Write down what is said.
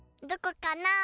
どこかな？